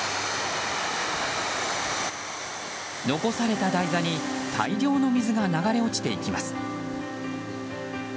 残された台座に大量の水が流れ落ちていきます。